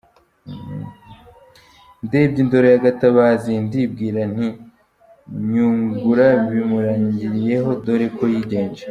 Ndebye indoro ya Gatabazi ndibwira nti Nyungura bimurangiriyeho, dore ko yigenje.